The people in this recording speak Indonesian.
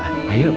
nunggu aja kan